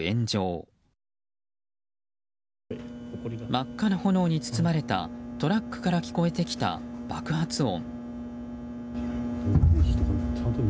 真っ赤な炎に包まれたトラックから聞こえてきた爆発音。